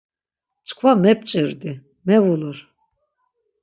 Çkva mep̌ç̌irdi, mevulur.